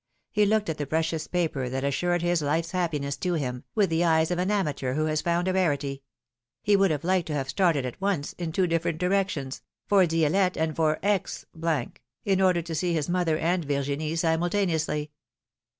He looked at the precious paper that assured his life's happin^ess to him, with the eyes of an amateur who has found a rarity ; he would have liked to have started at once, in two different directions, for Dielette and for X , in order to see his mother and Virginie simultaneously.